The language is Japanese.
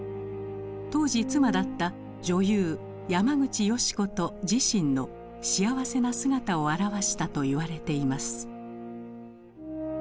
当時妻だった女優山口淑子と自身の幸せな姿を表したといわれています。